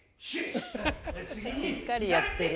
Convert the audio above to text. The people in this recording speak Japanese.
しっかりやってる。